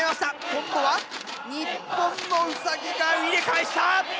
今度は日本のウサギが入れ返した！